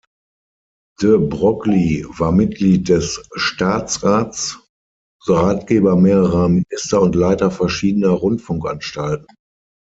De Broglie war Mitglied des Staatsrats, Ratgeber mehrerer Minister und Leiter verschiedener Rundfunkanstalten.